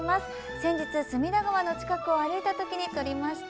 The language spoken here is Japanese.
先日、隅田川の近くを歩いたときに撮りました。